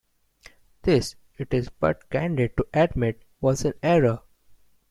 This, it is but candid to admit, was an error.